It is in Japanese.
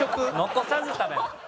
残さず食べます。